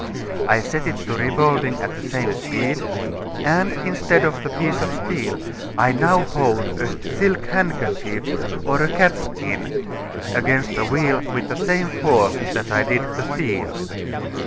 I set it to revolving at the same speed, and instead of the piece of steel, I now hold a silk handkerchief or a catskin against the wheel with the same force that I did the steel.